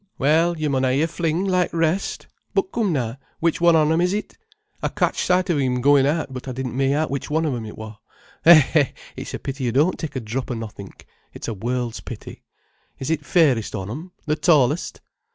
Well, yo mun ha'e yer fling, like t' rest. But coom na, which on 'em is it? I catched sight on 'im goin' out, but I didna ma'e out then which on 'em it wor. He—eh, it's a pity you don't take a drop of nothink, it's a world's pity. Is it the fairest on 'em, the tallest."